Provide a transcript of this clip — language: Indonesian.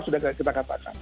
sudah kita katakan